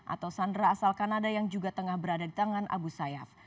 atau sandera asal kanada yang juga tengah berada di tangan abu sayyaf